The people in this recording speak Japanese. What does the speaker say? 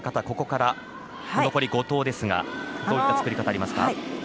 ここから残り５投ですがどういった作り方がありますか。